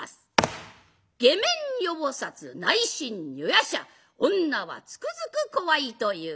「外面如菩内心如夜叉」女はつくづく怖いという。